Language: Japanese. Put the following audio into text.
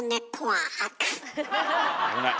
危ない！